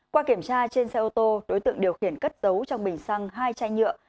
qua kiểm tra trên xe ô tô đối tượng điều khiển cất giấu trong bình xăng hai chai nhựa